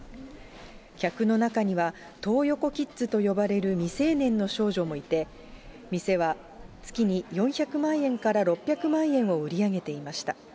客の中には、トー横キッズと呼ばれる、未成年の少女もいて、店は月に４００万円から６００万円を売り上げていました。